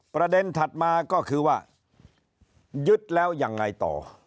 ถัดมาก็คือว่ายึดแล้วยังไงต่อ